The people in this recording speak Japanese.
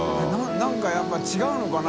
燭やっぱ違うのかな？